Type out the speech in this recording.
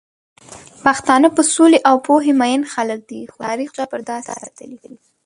پښتانه په سولې او پوهې مئين خلک دي، خو د تاريخ جبر داسې ساتلي